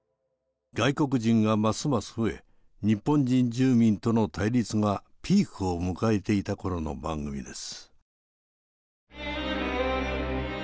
外国人がますます増え日本人住民との対立がピークを迎えていたころの番組です。